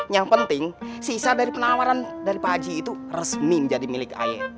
yang penting sisa dari penawaran dari pak haji itu resmi menjadi milik aye